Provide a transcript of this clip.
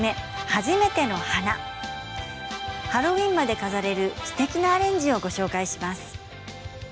初めての花ハロウィーンまで飾れるすてきなアレンジをご紹介します。